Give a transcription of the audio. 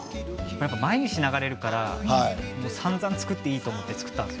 毎日流れるからさんざん作っていいと思って作ったんです。